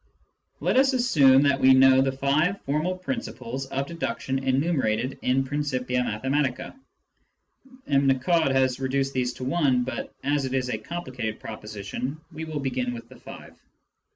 Let us assume that we know the five formal principles of deduction enumerated in Principia Mathematica. (M. Nicod has reduced these to one, but as it is a complicated proposition, we will begin with the five.)